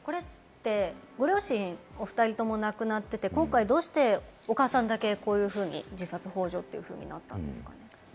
ご両親、お２人とも亡くなっていて、今回どうしてお母さんだけこういうふうに自殺ほう助というふうになったんですか？